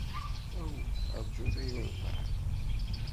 Aw, rjut ay urbaɛ!